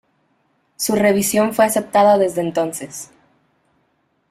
Su revisión fue aceptada desde entonces.